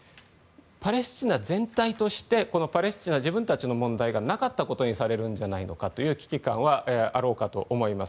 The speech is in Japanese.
パレスチナ全体としてパレスチナ、自分たちの問題がなかったことにされるんじゃないのかという危機感はあろうかと思います。